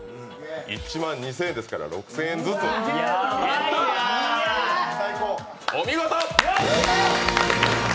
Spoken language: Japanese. １万２０００円ですから、６０００円ずつ、お見事。